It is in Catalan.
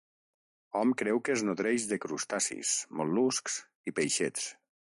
Hom creu que es nodreix de crustacis, mol·luscs i peixets.